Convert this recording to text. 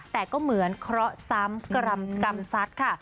แต่ก็เหมือนเคราะห์ซ้ำกรรมสัตว์ค่ะ